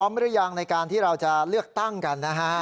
หรือยังในการที่เราจะเลือกตั้งกันนะฮะ